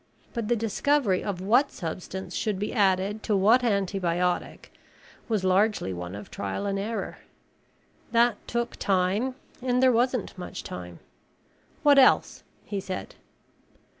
But the discovery of what substance should be added to what antibiotic was largely one of trial and error. That took time and there wasn't much time. "What else?" he said.